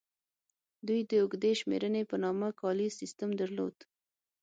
دوی د اوږدې شمېرنې په نامه کالیز سیستم درلود